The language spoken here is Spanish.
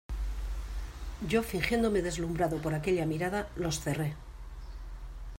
yo fingiéndome deslumbrado por aquella mirada, los cerré.